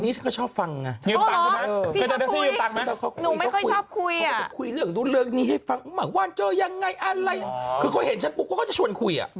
พี่ต้องขึ้นมั้ยปลอดภัย